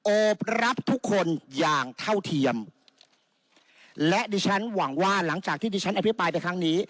โอบรับทุกคนอย่างเท่าเทียมและดิฉันหวังว่าหลังจากที่ดิฉันอภิปรายไปครั้งนี้